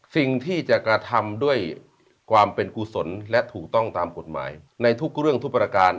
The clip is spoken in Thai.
สิ่งที่จะกระทำด้วยความเป็นกุศลและถูกต้องตามกฎหมายในทุกเรื่องทุกประการ